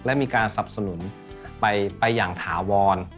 และมีการสับสนุนไปอย่างถาวร